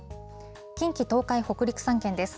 近畿、東海、北陸３県です。